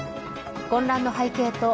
混乱の背景と